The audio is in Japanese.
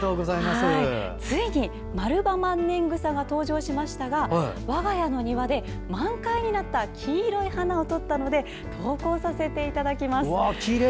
ついにマルバマンネングサが登場しましたが我が家の庭で、満開になった黄色い花を撮ったので投稿させていただきます。